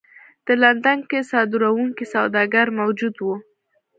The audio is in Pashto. په لندن کې صادروونکي سوداګر موجود وو.